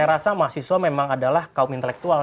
saya rasa mahasiswa memang adalah kaum intelektual